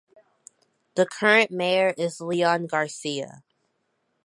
The current mayor is Leon Garcia.